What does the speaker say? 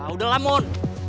udah lah mon